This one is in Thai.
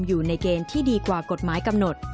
อยู่ในเกณฑ์ที่ดีกว่ากฎหมายกำหนด